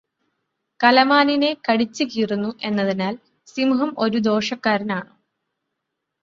കലമാനിനെ കടിച്ച് കീറുന്നു എന്നതിനാൽ സിംഹം ഒരു ദോഷക്കരനാണോ